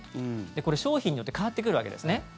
これ、商品によって変わってくるわけですね。